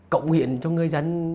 cậu huyện cho người dân